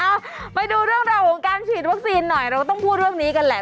เอาไปดูเรื่องราวของการฉีดวัคซีนหน่อยเราก็ต้องพูดเรื่องนี้กันแหละ